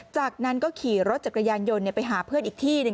จากนั้นก็ขี่รถจักรยานยนต์ไปหาเพื่อนอีกที่หนึ่ง